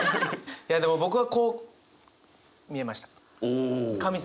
いやでも僕はこう見えました。